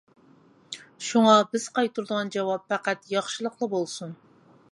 شۇڭا، بىز قايتۇرىدىغان جاۋاب پەقەت ياخشىلىقلا بولسۇن.